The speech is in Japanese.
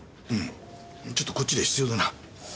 うんちょっとこっちで必要でな。